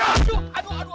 aduh aduh aduh